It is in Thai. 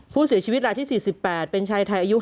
ผู้เสียชีวิตรายที่๔๘เป็นชายไทยอายุ๕